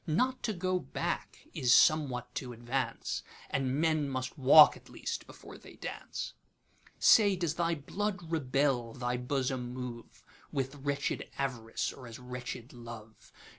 Not to go back is somewhat to advance, And men must walk, at least, before they dance. Say, does thy blood rebel, thy bosom moveWith wretched Av'rice, or as wretched Love?